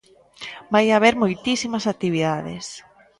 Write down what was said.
Vai haber moitísimas actividades.